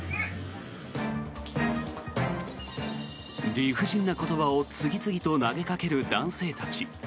理不尽な言葉を次々と投げかける男性たち。